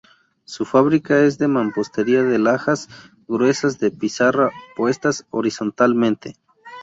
Su fábrica es de mampostería de lajas gruesas de pizarra puestas horizontalmente.